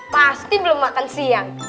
pasti belum makan siang